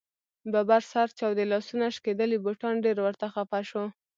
ببر سر، چاودې لاسونه ، شکېدلي بوټان ډېر ورته خفه شو.